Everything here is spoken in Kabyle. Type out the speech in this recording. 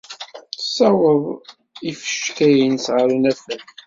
Tessaweḍ ifecka-nnes ɣer unafag.